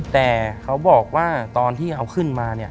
แต่เขาบอกว่าตอนที่เอาขึ้นมาเนี่ย